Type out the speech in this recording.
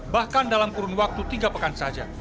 bahkan dalam kurun waktu tiga pekan saja